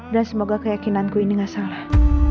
dan semoga keyakinanku ini gak salah